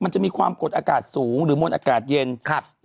จะมีความกดอากาศสูงหรือมวลอากาศเย็น